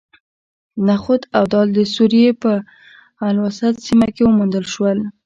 نخود او دال د سوریې په الاسود سیمه کې وموندل شول.